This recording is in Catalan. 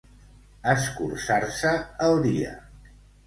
Escurçar-se el dia.